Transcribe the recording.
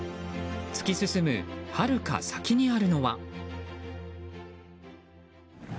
突き進むはるか先にあるのは。